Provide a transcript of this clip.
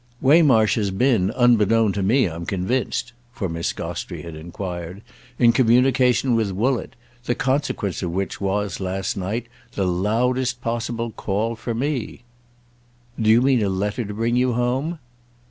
"Waymarsh has been, 'unbeknown' to me, I'm convinced"—for Miss Gostrey had enquired—"in communication with Woollett: the consequence of which was, last night, the loudest possible call for me." "Do you mean a letter to bring you home?"